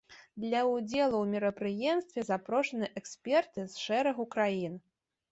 Для ўдзелу ў мерапрыемстве запрошаныя эксперты з шэрагу краін.